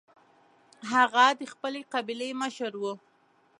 هغه د خپلې قبیلې مشر و.